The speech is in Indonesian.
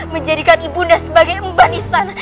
menjadikan ibunda sebagai emban istana